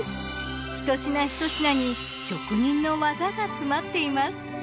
ひと品ひと品に職人の技が詰まっています。